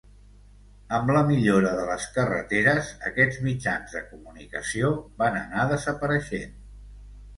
Amb la millora de les carreteres aquests mitjans de comunicació van anar desapareixent.